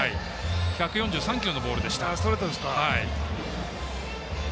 １４３キロのボールでした。